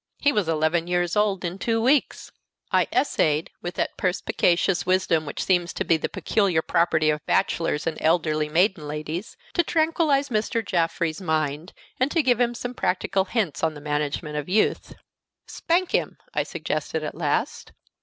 He was eleven years old in two weeks! I essayed, with that perspicacious wisdom which seems to be the peculiar property of bachelors and elderly maiden ladies, to tranquillize Mr. Jaffrey's mind, and to give him some practical hints on the management of youth. "Spank him," I suggested at last.